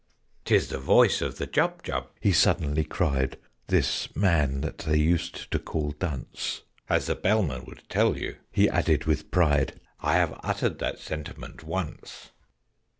"'Tis the voice of the Jubjub!" he suddenly cried. (This man, that they used to call "Dunce.") "As the Bellman would tell you," he added with pride, "I have uttered that sentiment once."